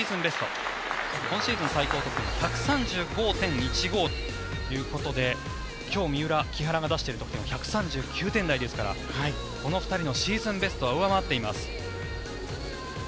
ベスト今シーズン最高得点が１３５．１５ということで今日、三浦・木原が出している得点は１３９点台ですからこの２人のシーズンベストは上回っています。